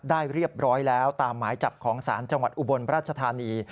เรียบร้อยแล้วตามหมายจับของศาลจังหวัดอุบลราชธานี